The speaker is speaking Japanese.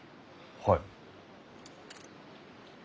はい。